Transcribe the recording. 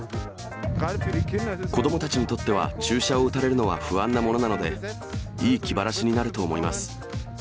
子どもたちにとっては、注射を打たれるのは不安なものなので、いい気晴らしになると思います。